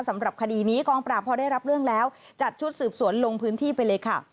สำหรับคดีนี้กองปราบพอได้รับเรื่องแล้วจัดชุดสืบสวนลงพื้นที่ไปเลยค่ะ